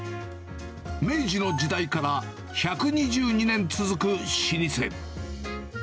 明治の時代から１２２年続く老舗。